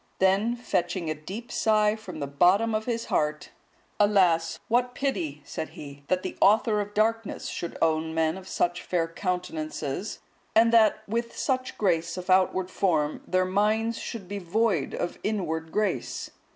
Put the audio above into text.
Then fetching a deep sigh from the bottom of his heart, "Alas! what pity," said he, "that the author of darkness should own men of such fair countenances; and that with such grace of outward form, their minds should be void of inward grace."